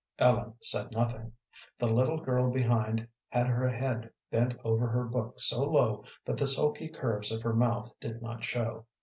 Ellen said nothing. The little girl behind had her head bent over her book so low that the sulky curves of her mouth did not show.